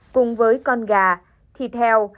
cùng với con gà thịt heo